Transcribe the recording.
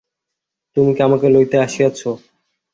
তুই কি আমাকে লইতে আসিয়াছিস?